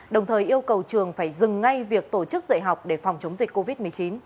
đồng thời yêu cầu trường phải dừng ngay việc tổ chức dạy học để phòng chống dịch covid một mươi chín